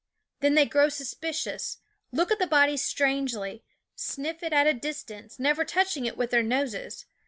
Then they grow suspicious, look at the body strangely, sniff it at a distance, never touching it with their noses.